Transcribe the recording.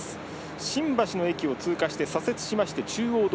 新橋の駅を通過して、左折して中央通。